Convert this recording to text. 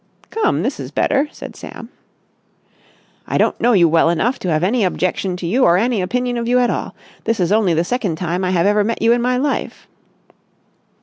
"Come, this is better!" said Sam. "I don't know you well enough to have any objection to you or any opinion of you at all. This is only the second time I have ever met you in my life."